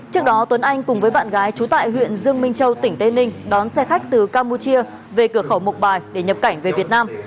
trước đó tuấn anh cùng với bạn gái trú tại huyện dương minh châu tỉnh tây ninh đón xe khách từ campuchia về cửa khẩu mộc bài để nhập cảnh về việt nam